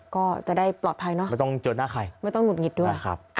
ก็จะได้ปลอดภัยไม่ต้องโจทย์หน้าใครไม่ต้องหลุดหงิดด้วย